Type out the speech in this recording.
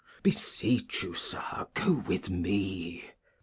Glost. Beseech you, Sir, go with me.